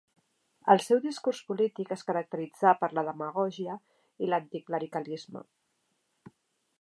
El seu discurs polític es caracteritzà per la demagògia i l'anticlericalisme.